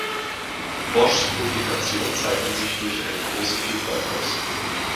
Boschs Publikationen zeichnen sich durch eine grosse Vielfalt aus.